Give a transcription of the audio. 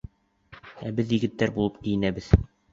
Ә беҙ егеттәр булып кейенәбеҙ!